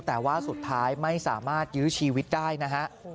แต่ว่าสุดท้ายไม่สามารถยื้อชีวิตได้นะฮะ